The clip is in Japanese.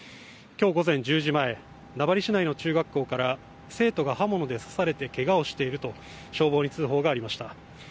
今日午前１０時前、名張市内の中学校から生徒が刃物で刺されてけがをしていると、消防に通報がありました。